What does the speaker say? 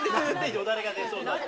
よだれが出そうだって。